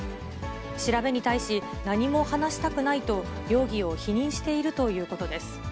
調べに対し、何も話したくないと、容疑を否認しているということです。